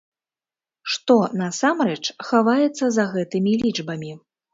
Што насамрэч хаваецца за гэтымі лічбамі?